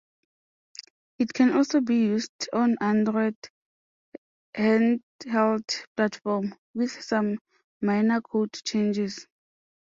It can also be used on Android handheld platform, with some minor code changes.